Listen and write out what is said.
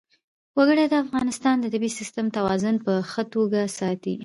وګړي د افغانستان د طبعي سیسټم توازن په ښه توګه ساتي.